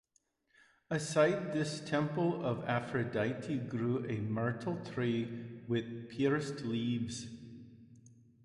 Beside this temple of Aphrodite grew a myrtle-tree with pierced leaves.